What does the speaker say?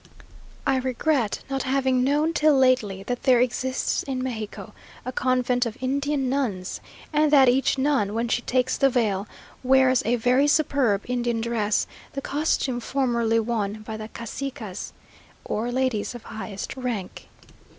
I regret not having known till lately, that there exists in Mexico a convent of Indian Nuns: and that each nun, when she takes the veil, wears a very superb Indian dress the costume formerly worn by the cacicas, or ladies of highest rank.